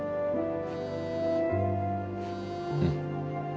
うん。